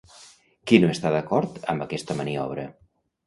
Qui no està d'acord amb aquesta maniobra?